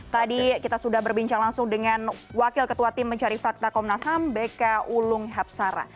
tadi kita sudah berbincang langsung dengan wakil ketua tim mencari fakta komnas ham bk ulung hapsara